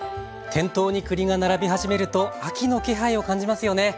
店頭に栗が並び始めると秋の気配を感じますよね。